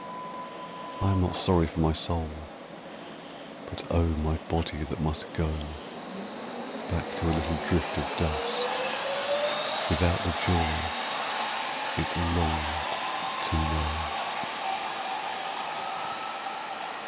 I am not sorry for my soul, But oh, my body that must go Back to a little drift of dust Without the joy it longed to know.